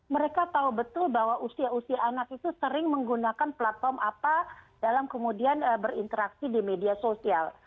mereka tahu betul bahwa usia usia anak itu sering menggunakan platform apa dalam kemudian berinteraksi di media sosial